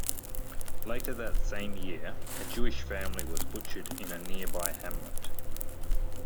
Later that same year a Jewish family was butchered in a nearby hamlet.